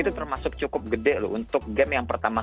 itu termasuk cukup gede loh untuk game yang pertama